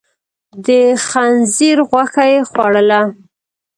د خنزير غوښه يې خوړله.